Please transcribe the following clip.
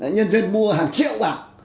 nhân dân mua hàng triệu bạc